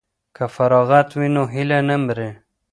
که فراغت وي نو هیله نه مري.